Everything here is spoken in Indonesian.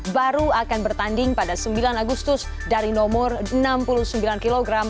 baru akan bertanding pada sembilan agustus dari nomor enam puluh sembilan kg